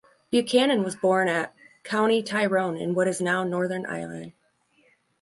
Buchanan was born at County Tyrone, in what is now Northern Ireland.